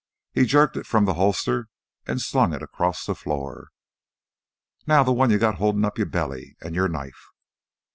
He jerked it from the holster and slung it across the floor. "Now th' one you got holdin' up your belly ... an' your knife!"